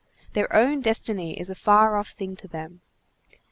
Their own destiny is a far off thing to them.